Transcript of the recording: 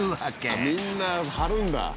みんな貼るんだ！